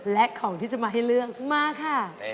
และของที่จะมาให้เลือกมาค่ะ